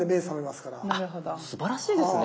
すばらしいですね。